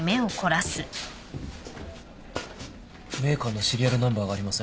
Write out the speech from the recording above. メーカーのシリアルナンバーがありません。